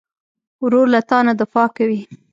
ورور له تا نه دفاع کوي.